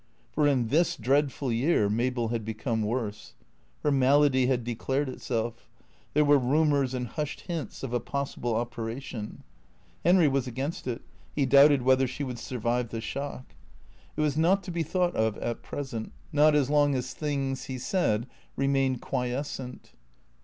For in this dreadful year Mabel had become worse. Her malady had declared itself. There were rumours and hushed hints of a possible operation. Henry was against it; he doubted whether she would survive the shock. It was not to be thought 85 398 THE CKEA TORS of at present; not as long as things, he said, remained quiescent.